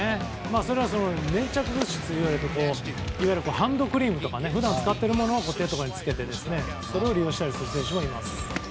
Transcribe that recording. それは粘着物質いわゆるハンドクリームとか普段使ってるものを手とかにつけて利用したりする選手もいます。